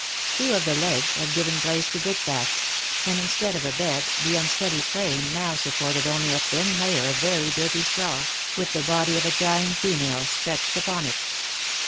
Two of the legs had given place, to brickbats, and instead of a bed the unsteady frame now supported only a thin layer of very dirty straw, with the body of a dying female stretched upon it.